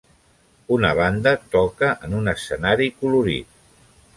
Una banda toca en un escenari colorit.